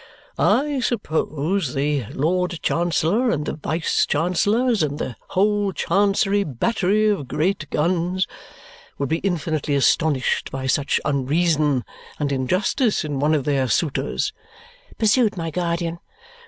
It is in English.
"I suppose the Lord Chancellor, and the Vice Chancellors, and the whole Chancery battery of great guns would be infinitely astonished by such unreason and injustice in one of their suitors," pursued my guardian.